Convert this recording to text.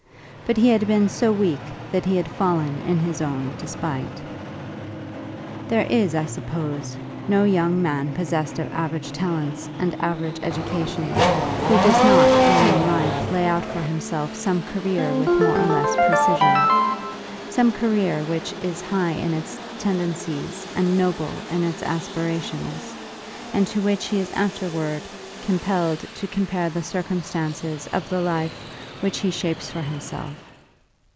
But he had been so weak that he had fallen in his own despite. There is, I suppose, no young man possessed of average talents and average education, who does not early in life lay out for himself some career with more or less precision, some career which is high in its tendencies and noble in its aspirations, and to which he is afterwards compelled to compare the circumstances of the life which he shapes for himself.